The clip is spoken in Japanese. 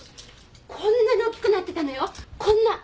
こんなに大きくなってたのよこんな。